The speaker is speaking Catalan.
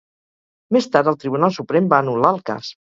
Més tard, el Tribunal Suprem va anul·lar el cas.